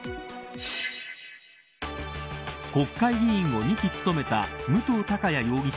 国会議員を２期務めた武藤貴也容疑者